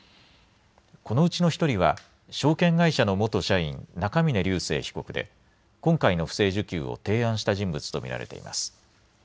このうちの１人は証券会社の元社員、中峯竜晟被告で今回の不正受給を提案した人物と見られています。